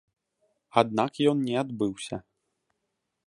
Аднак ён не адбыўся.